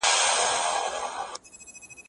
زه له سهاره ښوونځی ځم